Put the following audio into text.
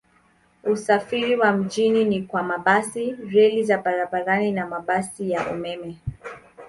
Usafiri wa mjini ni kwa mabasi, reli za barabarani na mabasi ya umeme.